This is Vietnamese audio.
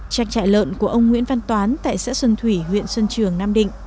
trang trại lợn của ông nguyễn văn toán tại xã xuân thủy huyện xuân trường nam định